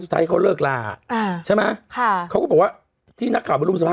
ไทยเขาเลิกลาอ่าใช่ไหมค่ะเขาก็บอกว่าที่นักข่าวไปรุมสภาพ